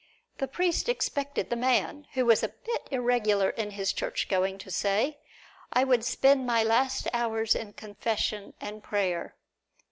The priest expected the man, who was a bit irregular in his churchgoing, to say, "I would spend my last hours in confession and prayer."